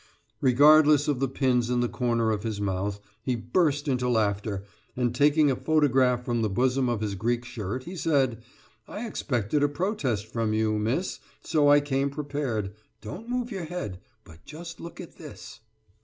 Regardless of the pins in the corner of his mouth he burst into laughter, and, taking a photograph from the bosom of his Greek shirt, he said: "I expected a protest from you, Miss, so I came prepared don't move your head, but just look at this."